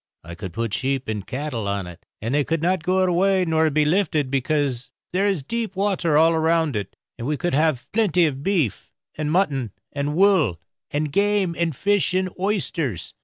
I could put sheep and cattle on it, and they could not go away nor be lifted, because there is deep water all round it; and we would haf plenty of beef, and mutton, and wool, and game, and fish, and oysters.